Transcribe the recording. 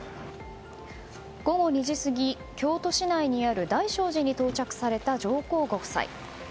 午後２時過ぎ、京都市内にある大聖寺に到着された上皇ご夫妻。